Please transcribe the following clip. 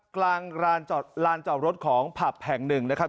กลางลานจอดรถของผับแห่งหนึ่งนะครับ